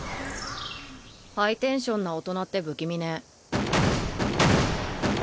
ハイテンションな大人って不気味ね。